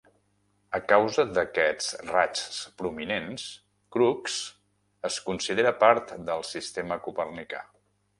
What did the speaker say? A causa d'aquests raigs prominents, Crookes es considera part del sistema copernicà.